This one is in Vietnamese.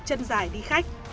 chân dài đi khách